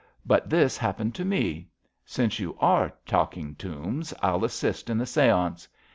But this hap pened to me. Since you are talking tombs, I'll assist at the seance.